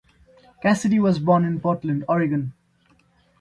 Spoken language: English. Cassidy was born in Portland, Oregon.